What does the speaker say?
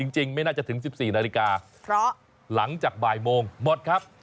จริงไม่น่าจะถึง๑๔นาฬิกาเพราะหลังจากบ่ายโมงหมดครับ